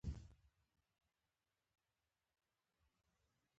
د ټېکنالوجۍ محصولاتو په تولید کې د حفاظتي ټکو رعایت اړین او لازمي دی.